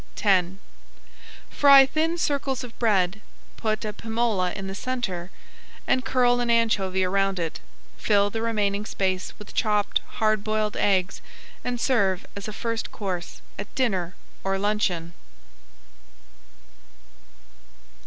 X Fry thin circles of bread, put a pimola in the centre, and curl an anchovy around it. Fill the remaining space with chopped hard boiled eggs and serve as a first course at dinner or luncheon.